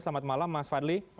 selamat malam mas fadli